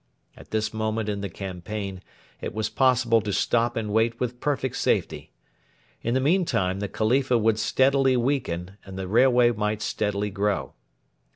At this moment in the campaign it was possible to stop and wait with perfect safety. In the meantime the Khalifa would steadily weaken and the railway might steadily grow.